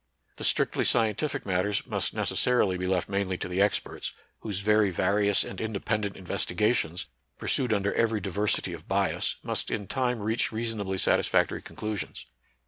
The strictly scientific matters must necessarily be left mainly to the experts, whose very various and independent investigations, pursued under every diversity of bias, must in time reach reasonably satisfactory conclusions.